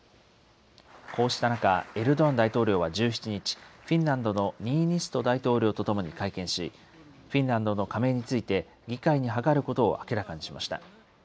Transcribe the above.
こうした中、エルドアン大統領は１７日、フィンランドのニーニスト大統領と共に会見し、フィンランドの加盟について、議会に諮ることを明らかにしました。